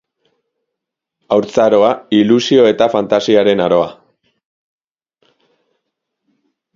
Haurtzaroa, ilusio eta fantasiaren aroa.